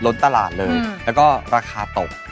ตลาดเลยแล้วก็ราคาตก